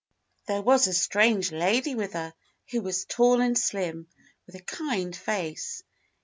There was THE JOURNEY 77^ a strange lady with her who was tall and slim, with a kind face.